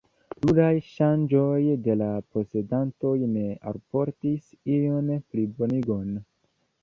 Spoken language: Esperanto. Pluraj ŝanĝoj de la posedantoj ne alportis iun plibonigon.